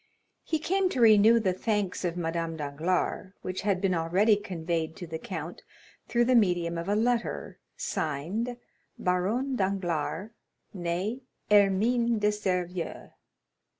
He came to renew the thanks of Madame Danglars which had been already conveyed to the count through the medium of a letter, signed "Baronne Danglars, née Hermine de Servieux."